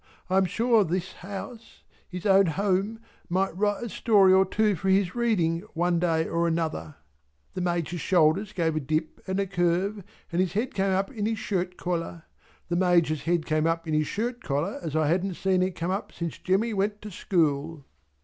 "I am sure this house his own home might write a story or two for his reading one day or another." The Major's shoulders gave a dip and a curve and his head came up in his shirt collar. The Major's head came up in his shirt collar as I hadn't seen it come up since Jemmy went to school.